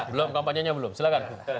belum kampanyenya belum silahkan